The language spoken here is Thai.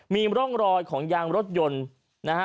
มีร่องรอยของยางรถยนต์นะฮะ